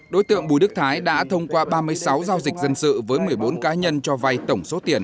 đối tượng bùi đức thái đã thông qua ba mươi sáu giao dịch dân sự với một mươi bốn cá nhân cho vai tổng số tiền